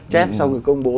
chép xong rồi công bố